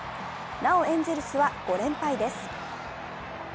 なお、エンゼルスは５連敗です。